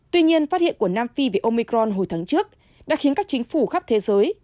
tuy nhiên phát hiện của nam phi về omicron hồi tháng trước đã khiến các chính phủ khắp thế giới